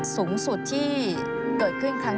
สูงสุดที่กระทำกัน